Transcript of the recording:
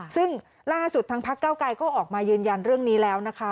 ซึ่งล่าสุดทางพักเก้าไกรก็ออกมายืนยันเรื่องนี้แล้วนะคะ